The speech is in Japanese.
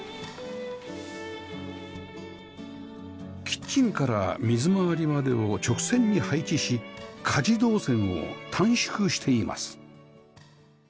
キッチンから水回りまでを直線に配置し家事動線を短縮しています